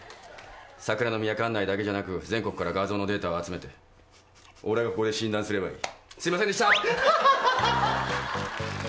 桜宮管内だけじゃなく全国から画像のデータを集めて俺がここで診断すればいい。